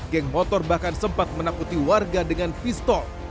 geng motor bahkan sempat menakuti warga dengan pistol